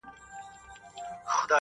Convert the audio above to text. د شپې سينه کښې تر سحره درزېدل وختونه